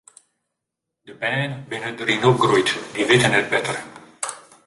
De bern binne dêryn opgroeid en dy witte net better.